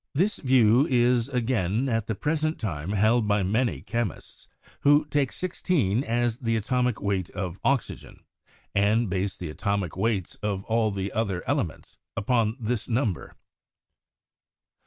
This view is, again, at the pres ent time held by many chemists, who take 16 as the atomic weight of oxygen, and base the atomic weights of all the other elements upon this number.